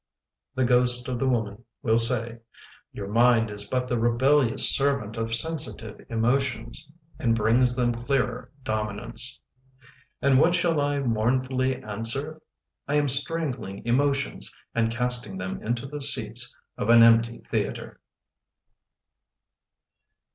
The ghost of the woman will say: " Your mind is but the rebellious servant Of sensitive emotions And brings them clearer dominance." And what shall I mournfully answer? I am strangling emotions And casting them into the seats Of an empty theatre.